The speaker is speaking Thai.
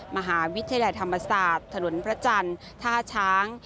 มหาวิทยาลัยธรรมศาสตร์ถนนพระจันทร์ท่าช้าง